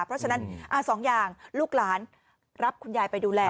เพราะฉะนั้นสองอย่างลูกหลานรับคุณยายไปดูแล